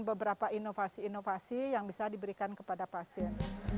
beberapa inovasi inovasi yang bisa diberikan kepada pasien